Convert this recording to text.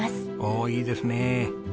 おーいいですね。